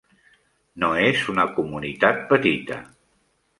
No és una comunitat petita.